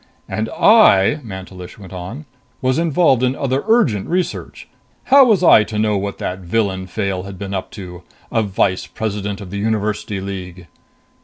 "And I," Mantelish went on, "was involved in other urgent research. How was I to know what that villain Fayle had been up to? A vice president of the University League!"